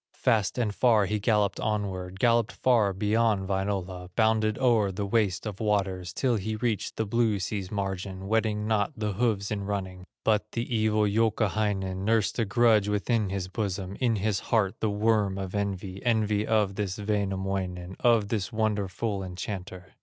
Fast and far he galloped onward, Galloped far beyond Wainola, Bounded o'er the waste of waters, Till he reached the blue sea's margin, Wetting not the hoofs in running. But the evil Youkahainen Nursed a grudge within his bosom, In his heart the worm of envy, Envy of this Wainamoinen, Of this wonderful enchanter.